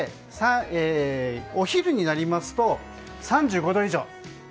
お昼になりますと３５度以上。